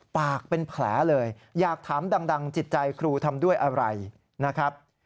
ปากเป็นแผลเลยอยากถามดังจิตใจครูทำด้วยอะไรนะครับ